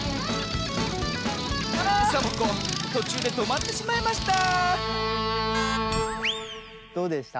サボ子とちゅうでとまってしまいましたどうでした？